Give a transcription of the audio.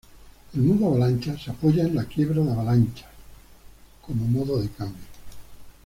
El modo avalancha, se apoya en el quiebre de avalancha como modo de cambio.